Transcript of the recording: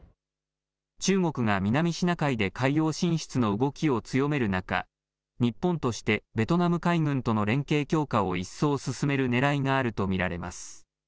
中国が南シナ海で海洋進出の動きを強める中、日本としてベトナム海軍との連携強化を一層進めるねらいがあると見られます。